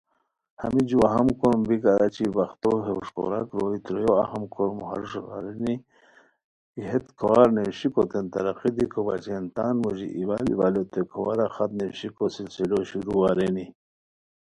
ہمی جُو اہم کوروم بیکار اچی وختو ہے ہوݰ کوراک روئے ترویو اہم کوروم ہموݰ ارینی کی ہیت کھوار نیویشیکوتین ترقی دیکو بچین تان موژی ایوال ایوالیوتین کھوارہ خط نیویشیکو سلسلو شروع ارینی